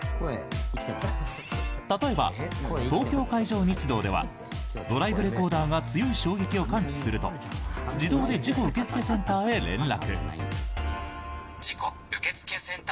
例えば、東京海上日動ではドライブレコーダーが強い衝撃を感知すると自動で事故受付センターへ連絡。